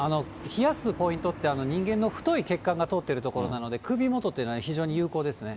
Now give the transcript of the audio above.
冷やすポイントって、人間の太い血管が通っているところなので、首元っていうのは、非常に有効ですね。